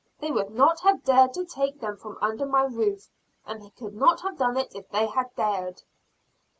They would not have dared to take them from under my roof, and they could not have done it if they had dared."